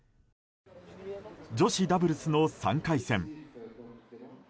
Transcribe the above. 女子ダブルスの３回戦。